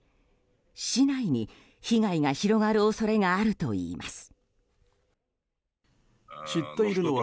市内に被害が広がる恐れがあるといいます。